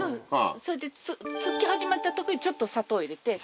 それでつき始まった時にちょっと砂糖を入れて。